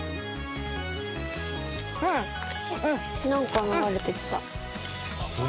なんか流れてきた。